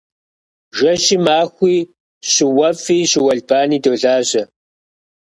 Жэщи махуи щыуэфӏи щыуэлбани долажьэ.